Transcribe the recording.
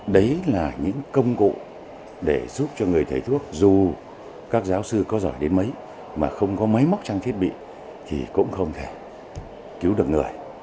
đấy là những công cụ để giúp cho người thầy thuốc dù các giáo sư có giỏi đến mấy mà không có máy móc trang thiết bị thì cũng không thể cứu được người